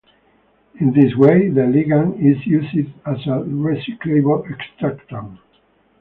In this way the ligand is used as a recyclable extractant.